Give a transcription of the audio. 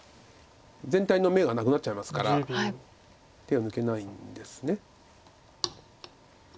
全体の眼がなくなっちゃいますから手を抜けないんです。